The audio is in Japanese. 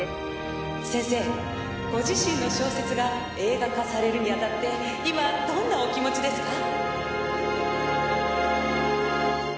先生ご自身の小説が映画化されるにあたって今どんなお気持ちですか？